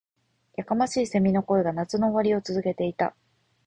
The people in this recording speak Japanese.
•やかましい蝉の声が、夏の終わりを告げていた。